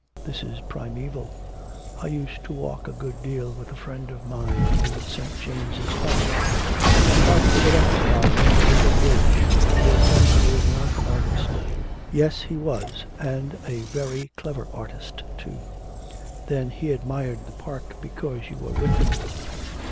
This is primeval.... I used to walk a good deal with a friend of mine in St. James' Park.' 'The park where the ducks are, and a little bridge. Your friend was not an artist.' 'Yes, he was, and a very clever artist too.' 'Then he admired the park because you were with him.'